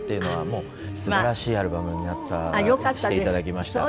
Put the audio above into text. もう素晴らしいアルバムになったしていただきました。